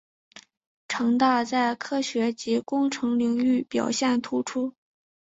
城大在科学及工程领域表现突出。